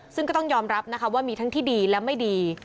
ซึ่งก็ต้องยอมรับนะคะว่ามีทั้งที่ดีและไม่ดี